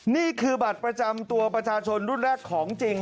นี่คือบัตรประจำตัวประชาชนรุ่นแรกของจริง